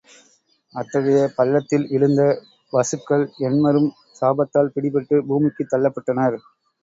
அத்தகைய பள்ளத்தில் விழுந்த வசுக்கள் எண்மரும் சாபத்தால் பிடிபட்டு பூமிக்குத் தள்ளப்பட்டனர்.